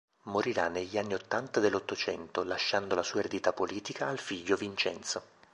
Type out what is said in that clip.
Morirà negli anni ottanta dell'Ottocento, lasciando la sua eredità politica al figlio Vincenzo.